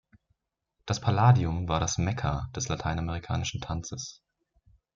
Das Palladium war das Mekka des lateinamerikanischen Tanzes.